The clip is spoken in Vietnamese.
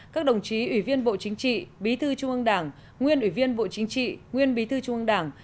các đồng chí ủy viên bộ chính trị bí thư trung ương đảng nguyên ủy viên bộ chính trị nguyên bí thư trung ương đảng